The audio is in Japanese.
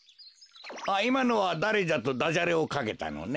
いまのは「だれじゃ」と「ダジャレ」をかけたのね。